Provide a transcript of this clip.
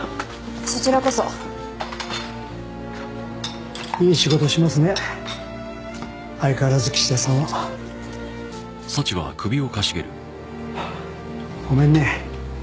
そちらこそいい仕事しますね相変わらず岸田さんはごめんね